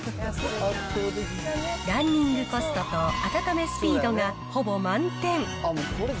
ランニングコストと温めスピードがほぼ満点。